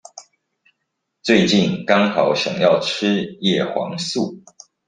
最近剛好想要吃葉黃素